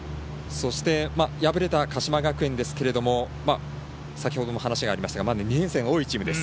そして、敗れた鹿島学園ですが先ほども話がありましたが２年生が多いチームです。